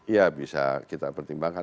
ya bisa kita pertimbangkan